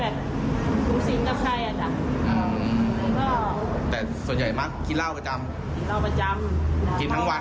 ตรงการเตรียมคือหลังจากเอ้ามาวัง